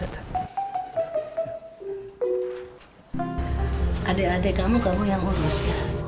aduh adik adik kamu kamu yang urus ya